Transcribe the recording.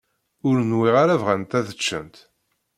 Ur nwiɣ ara bɣant ad ččent.